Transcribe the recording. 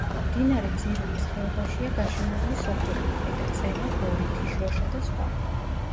მდინარე ძირულის ხეობაშია გაშენებული სოფლები: ქვედა წევა, ბორითი, შროშა და სხვა.